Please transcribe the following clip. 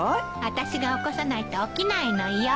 私が起こさないと起きないのよ。